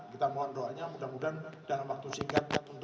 kita mohon doanya mudah mudahan